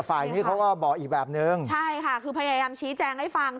ฝ่ายนี้เขาก็บอกอีกแบบนึงใช่ค่ะคือพยายามชี้แจงให้ฟัง